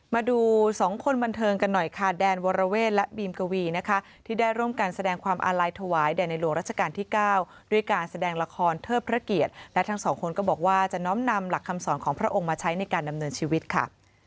มาดูสองคนบันเทิงกันหน่อยค่ะแดนวรเวทและบีมกวีนะคะที่ได้ร่วมกันแสดงความอาลัยถวายแด่ในหลวงราชการที่๙ด้วยการแสดงละครเทิดพระเกียรติและทั้งสองคนก็บอกว่าจะน้อมนำหลักคำสอนของพระองค์มาใช้ในการดำเนินชีวิตค่ะ